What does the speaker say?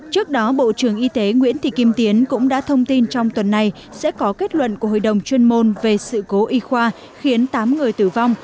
trước đó bộ trưởng y tế nguyễn thị kim tiến cũng đã thông tin trong tuần này sẽ có kết luận của hội đồng chuyên môn về sự cố y khoa khiến tám người tử vong